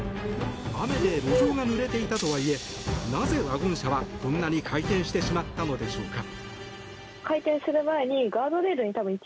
雨で路上がぬれていたとはいえなぜ、ワゴン車はこんなに回転してしまったのでしょうか。